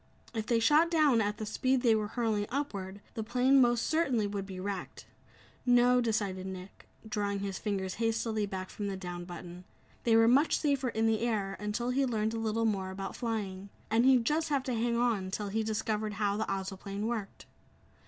If they shot down at the speed they were hurling upward, the plane most certainly would be wrecked. No, decided Nick, drawing his fingers hastily back from the "down" button they were much safer in the air until he learned a little more about flying, and he'd just have to hang on till he discovered how the Ozoplane worked.